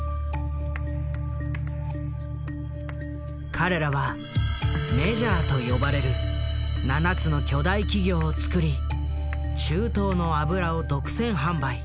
彼らは「メジャー」と呼ばれる７つの巨大企業をつくり中東の油を独占販売。